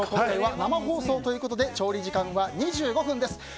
今回は生放送ということで調理時間は２５分です。